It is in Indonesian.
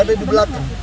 ada di belakang